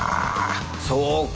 そうか。